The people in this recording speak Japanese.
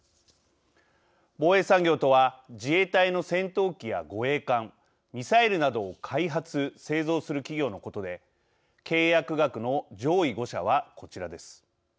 防衛産業とは自衛隊の戦闘機や護衛艦、ミサイルなどを開発・製造する企業のことで契約額の上位５社はこちらです。